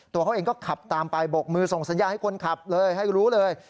ตัวเขาเองก็ขับตามไปบกมือส่งสัญญาณให้คนขับเลยให้รู้เลย